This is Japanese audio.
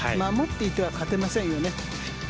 守っていては勝てませんよね。